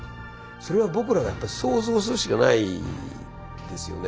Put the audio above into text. それは僕らがやっぱ想像するしかないですよね。